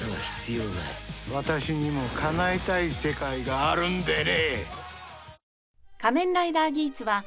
私にもかなえたい世界があるんでね！